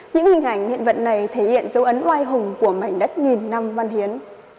những hình ảnh hiện vật này thể hiện dấu ấn oai hùng của mảnh đất nghìn năm văn hiến